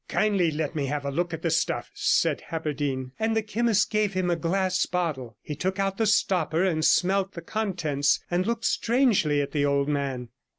'Kindly let me have a look at the stuff,' said Haberden, and the chemist gave him a glass bottle. He took out the stopper and smelt the contents, and looked strangely at the old man.